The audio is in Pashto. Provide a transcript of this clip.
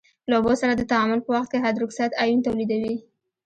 له اوبو سره د تعامل په وخت کې هایدروکساید آیون تولیدوي.